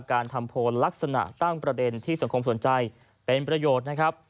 การทำโพลลักษณะตั้งประเด็นที่สังคมสนใจเป็นประโยชน์นะครับ